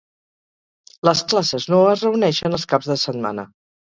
Les classes no es reuneixen els caps de setmana.